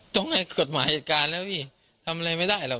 ต้องให้กฎหมายจัดการแล้วพี่ทำอะไรไม่ได้หรอก